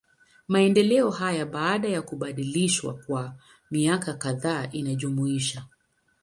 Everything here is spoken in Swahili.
Maendeleo hayo, baada ya kubadilishwa kwa miaka kadhaa inajumuisha.